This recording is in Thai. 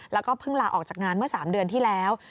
แล้วก็เพิ่งลาออกจากงานเมื่อ๓เดือนที่แล้ว